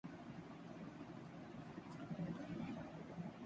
اگر ہوسکے تو میری خطا کو معاف کردو۔ آخر کار میں بھی ایک انسان ہوں۔